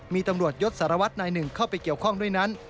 มีตำรวจยศสารวัตรนายหนึ่งเข้าไปเกี่ยวข้องด้วยนั้น